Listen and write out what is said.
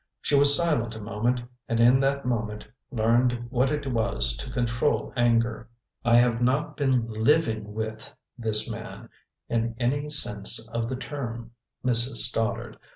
She was silent a moment, and in that moment learned what it was to control anger. "I have not been 'living with' this man, in any sense of the term, Mrs. Stoddard.